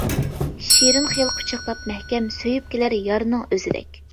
شېرىن خىيال قۇچاقلاپ مەھكەم، سۆيۈپ كېلەر يارنىڭ ئۆزىدەك.